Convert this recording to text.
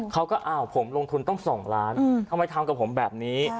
เขาก็อ้าวผมลงทุนต้อง๒ล้านทำไมทำกับผมแบบนี้